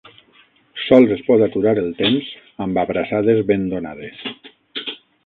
Sols es pot aturar el temps amb abraçades ben donades.